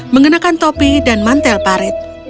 mengenakan topi dan mantel parit